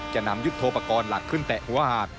จะนำยุทธโปรกรณ์หลักขึ้นแตะหัวหาด